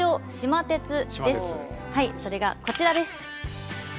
はいそれがこちらです。